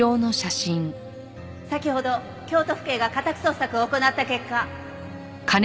先ほど京都府警が家宅捜索を行った結果。